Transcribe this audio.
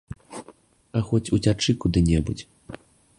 А хоць уцячы куды-небудзь.